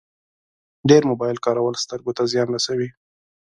ډېر موبایل کارول سترګو ته زیان رسوي.